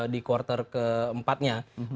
di kuartal keempatnya